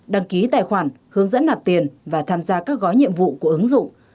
đăng ký tài khoản hướng dẫn nạp tiền và tham gia các gói nhiệm vụ của ứng dụng